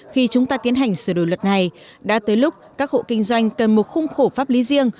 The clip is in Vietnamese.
khi chúng ta tiến hành sửa đổi luật này đã tới lúc các hộ kinh doanh cần một khung khổ pháp lý riêng